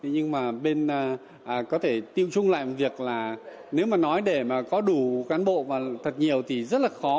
nhưng mà bên có thể tiêu chung lại một việc là nếu mà nói để mà có đủ cán bộ và thật nhiều thì rất là khó